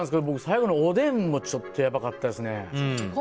僕、最後のおでんもちょっとやばかったですね。